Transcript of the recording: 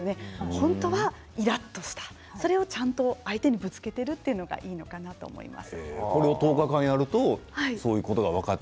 本当はイラっとしたそれをちゃんと相手にぶつけるのがいいのかなと思います。